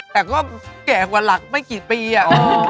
แต่ก็แก่กว่าหลักไม่กี่ปีอะ